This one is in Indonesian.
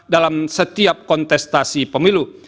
dalam setiap kontestasi pemilu